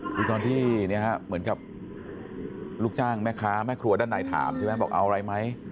คือตอนที่เหมือนกับลูกจ้างแม่คลัวด้านไหนถามบอกเอาอะไรไหม